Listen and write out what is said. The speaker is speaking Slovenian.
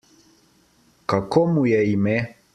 Kako mu je ime?